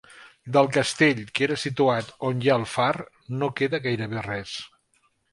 Del castell, que era situat on hi ha el far, no queda gairebé res.